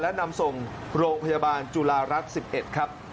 และนำส่งโรงพยาบาลจุฬารัฐ๑๑ครับ